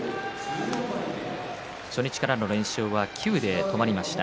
初日からの連勝は９で止まりました。